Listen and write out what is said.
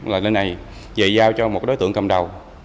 là lên này về giao cho một đối tượng cầm đầu